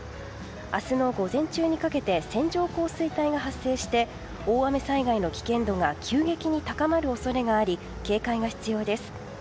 明日の午前中にかけて線状降水帯が発生して大雨災害の危険度が急激に高まる恐れがあり警戒が必要です。